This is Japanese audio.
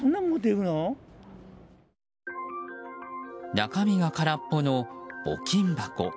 中身が空っぽの募金箱。